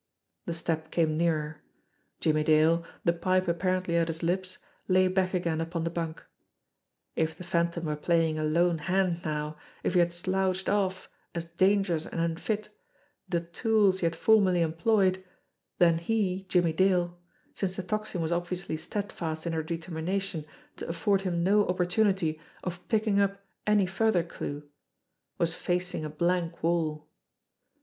The step came nearer. Jimmie Dale, the pipe apparently at his lips, lay back again upon the bunk. If the Phantom were playing a lone hand now, if he had sloughed off, as dangerous and unfit, the tools he had formerly employed, then he, Jimmie Dale, since the Tocsin was obviously stead fast in her determination to afford him no opportunity of picking up any further clue, was facing a blank wall.